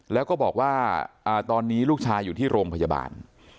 แล้วก็บอกว่าตอนนี้ลูกชายอยู่ที่โรงพยาบาล